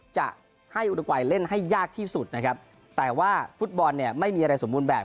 จะให้อุดรกวัยเล่นให้ยากที่สุดนะครับแต่ว่าฟุตบอลเนี่ยไม่มีอะไรสมบูรณ์แบบ